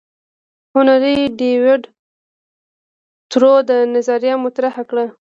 هنري ډیویډ تورو دا نظریه مطرح کړه.